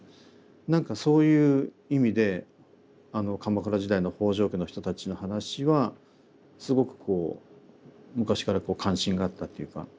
何かそういう意味で鎌倉時代の北条家の人たちの話はすごくこう昔から関心があったっていうか